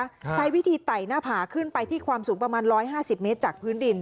ใช้วิธีไต่หน้าผาขึ้นไปที่ความสูงประมาณ๑๕๐เมตรจากพื้นดิน